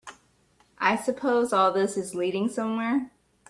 I suppose all this is leading somewhere?